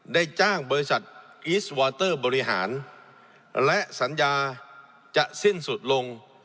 ได้จ้างบริษัทอีสวอเตอร์บริหารและสัญญาจะสิ้นสุดลง